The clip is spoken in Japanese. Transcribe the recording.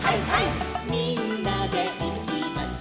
「みんなでいきましょう」